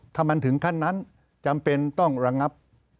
ถ้ามันถึงขั้นนั้นจำเป็นต้องระงับ